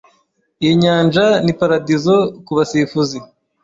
Iyi nyanja ni paradizo kubasifuzi.